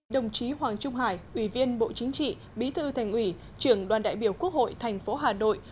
đồng chí hoàng trung hải ủy viên bộ chính trị bí thư thành ủy trưởng đoàn đại biểu quốc hội thành phố hà nội